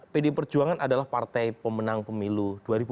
pdi perjuangan adalah partai pemenang pemilu dua ribu dua puluh